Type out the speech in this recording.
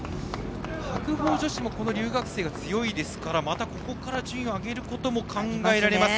白鵬女子も留学生が強いですからまたここから順位を上げることも考えられます。